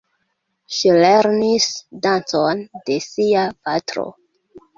Ŝi lernis dancon de sia patro.